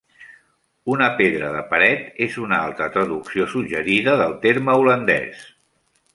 Una "pedra de paret" és una altra traducció suggerida del terme holandès.